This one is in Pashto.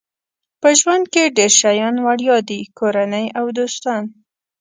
په ژوند کې ډېر شیان وړیا دي کورنۍ او دوستان.